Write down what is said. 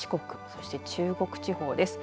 そして中国地方です。